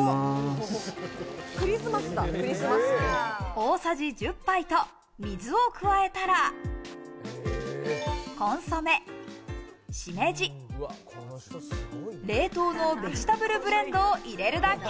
大さじ１０杯と水を加えたら、コンソメ、しめじ、冷凍のベジタブルブレンドを入れるだけ。